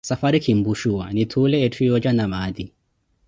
Safwari kinpushuwa, nitthuule etthu yooja na maati.